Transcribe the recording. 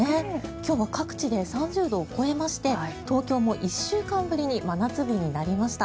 今日は各地で３０度を超えまして東京も１週間ぶりに真夏日になりました。